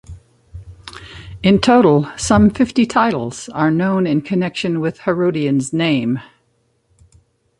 In total some fifty titles are known in connection with Herodian's name.